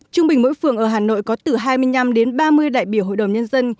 trung bình mỗi phường ở hà nội có từ hai mươi năm đến ba mươi đại biểu hội đồng nhân dân